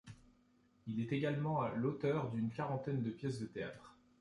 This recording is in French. Il est également l'auteur d'une quarantaine de pièces de théâtre.